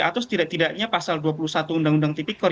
atau setidak tidaknya pasal dua puluh satu undang undang tipikor